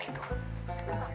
asal nama pulau setan